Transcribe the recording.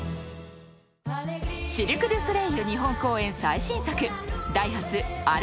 ［シルク・ドゥ・ソレイユ日本公演最新作］